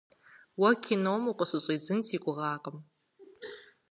Уэ кином укъыщыщӏидзын си гугъакъым.